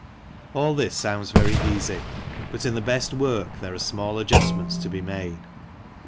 All this sounds very easy, but in the best work there are small adjustments to be made.